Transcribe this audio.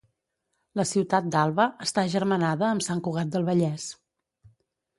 La ciutat d'Alba està agermanada amb Sant Cugat del Vallès.